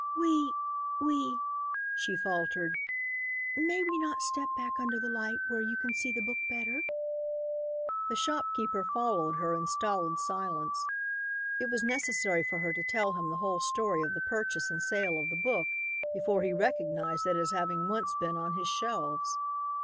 "We we " she faltered " may we not step back under the light where you can see the book better?" The shopkeeper followed her in stolid silence. It was necessary for her to tell him the whole story of the purchase and sale of the book before he recognized it as having once been on his shelves.